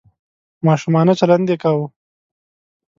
ماشومانه چلند یې کاوه .